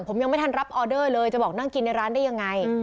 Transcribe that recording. ผมยังไม่ทันรับออเดอร์เลยจะบอกนั่งกินในร้านได้ยังไง